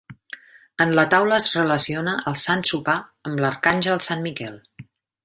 En la taula es relaciona el Sant Sopar amb l'arcàngel sant Miquel.